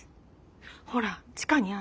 ほら地下にある。